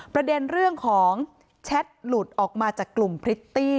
ประเด็นเรื่องของแชทหลุดออกมาจากกลุ่มพริตตี้